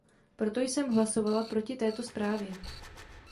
Proto jsem hlasovala proti této zprávě.